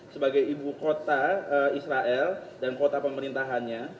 sebagai ibu kota israel dan kota pemerintahannya